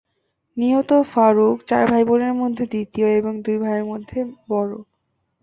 নিহত ফারুক চার ভাইবোনের মধ্যে দ্বিতীয় এবং দুই ভাইয়ের মধ্যে বড়।